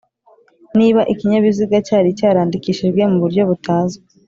niba ikinyabiziga cyari cyarandikishijwe mu buryo butazwi